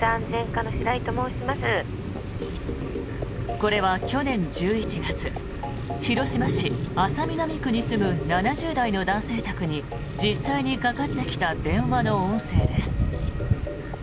これは去年１１月広島市安佐南区に住む７０代の男性宅に実際にかかってきた電話の音声です。